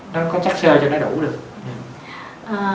nó có chất xơ cho nó đủ được